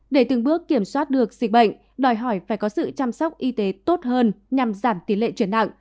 để từng bước kiểm soát được dịch bệnh đòi hỏi phải có sự chăm sóc y tế tốt hơn nhằm giảm tỷ lệ chuyển nặng